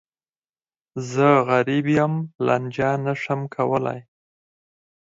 زه غریب یم، لانجه نه شم کولای.